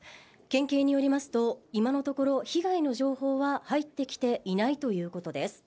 県警によりますと、今のところ被害の情報は入ってきていないということです。